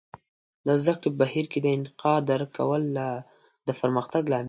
د زده کړې په بهیر کې د انتقاد درک کول د پرمختګ لامل کیږي.